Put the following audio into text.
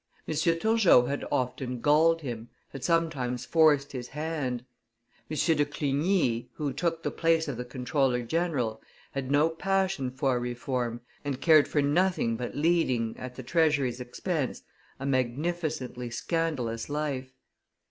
M. Turgot had often galled him, had sometimes forced his hand; M. de Clugny, who took the place of the comptroller general, had no passion for reform, and cared for nothing but leading, at the treasury's expense, a magnificently scandalous life; M.